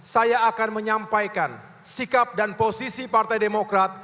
saya akan menyampaikan sikap dan posisi partai demokrat